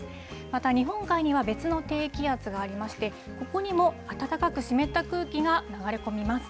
また日本海には別の低気圧がありまして、ここにも暖かく湿った空気が流れ込みます。